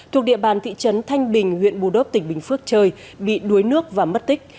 thuộc địa bàn thị trấn thanh bình huyện bù đốc tỉnh bình phước trời bị đuối nước và mất tích